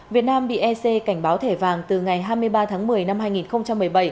việt nam bị ec cảnh báo thẻ vàng từ ngày hai mươi ba tháng một mươi năm hai nghìn một mươi bảy